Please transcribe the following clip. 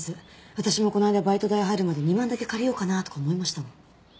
私もこの間バイト代入るまで２万だけ借りようかなあとか思いましたもん。